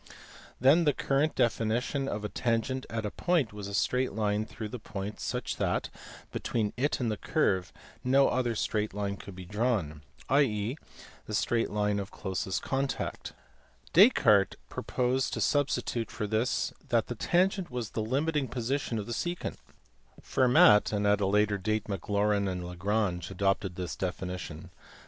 The then current definition of a tangent at a point was a straight line through the point such that between it and the curve no other straight 182 276 MATHEMATICS FROM DESCARTES TO HUYGENS. line could be drawn, i.e. the straight line of closest contact. Descartes proposed to substitute for this that the tangent was the limiting position of the secant ; Fermat, and at a later date Maclaurin and Lagrange, adopted this definition.